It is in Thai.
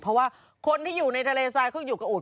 เพราะว่าคนที่อยู่ในทะเลทรายเขาอยู่กับอุด